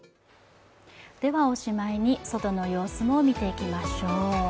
おしまいに外の様子を見ていきましょう。